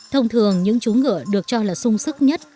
thông thường những chú ngựa được cho là sung sức nhất